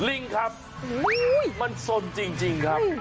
ลิงครับมันสนจริงครับ